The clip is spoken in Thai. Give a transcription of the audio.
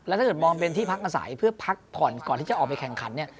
ถ้าเกิดมองเป็นที่พักอาศัยเพื่อพักผ่อนก่อนที่จะออกไปแข่งขันเนี่ย